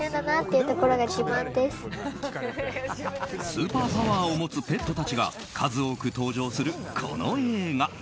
スーパーパワーを持つペットたちが数多く登場する、この映画。